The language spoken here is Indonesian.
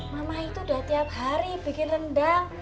mamah itu udah tiap hari bikin rendang